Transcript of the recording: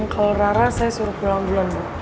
kalau rara saya suruh pulang duluan